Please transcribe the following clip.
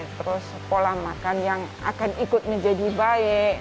terus pola makan yang akan ikut menjadi baik